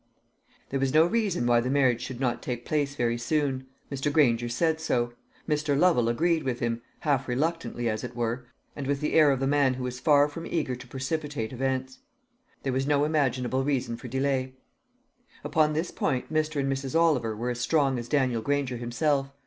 There was no reason why the marriage should not take place very soon. Mr. Granger said so; Mr. Lovel agreed with him, half reluctantly as it were, and with the air of a man who is far from eager to precipitate events. There was no imaginable reason for delay. Upon this point Mr. and Mrs. Oliver were as strong as Daniel Granger himself.